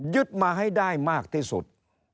มาให้ได้มากที่สุด